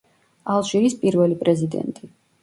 ალჟირის პირველი პრეზიდენტი.